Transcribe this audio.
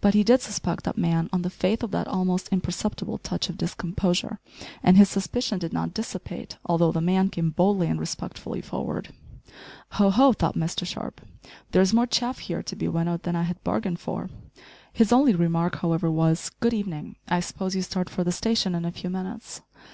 But he did suspect that man on the faith of that almost imperceptible touch of discomposure, and his suspicion did not dissipate although the man came boldly and respectfully forward. "Ho ho!" thought Mr Sharp, "there is more chaff here to be winnowed than I had bargained for." His only remark, however, was "Good evening; I suppose you start for the station in a few minutes?"